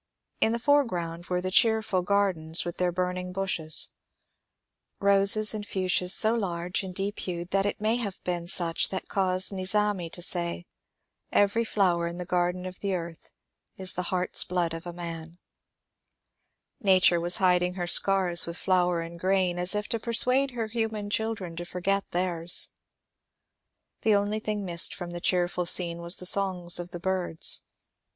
In the foregpround were the cheerful gardens with their burning bushes, — roses and fuchsias so large and deep hued that it may have been such that caused Nizami to say, ^^ Every flower in the garden of the earth is the heart's blood of a man/* Nature was hiding her scars with flower and grain, as if to per suade her human children to forget theirs. The only thing missed from the cheerful scene was the songs of the birds.